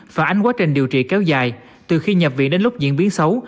phản ánh quá trình điều trị kéo dài từ khi nhập viện đến lúc diễn biến xấu